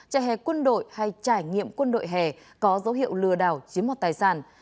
trại hè quân đội hay trải nghiệm quân đội hè có dấu hiệu lừa đảo chiếm mọt tài sản